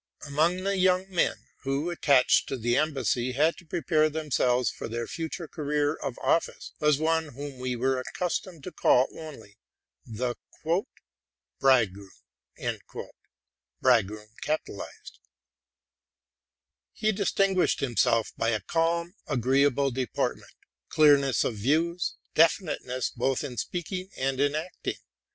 Among the young men, who, attached to the embassy, had to prepare themselves for their future career of office, was one whom we were accustomed to call only the '+ Bride eroom.'' He distinguished himself by a calm, agreeable deportment, clearness of views, definiteness both in speaking and in acting.